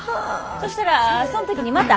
そしたらそん時にまた。